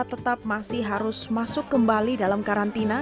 tetap masih harus masuk kembali dalam karantina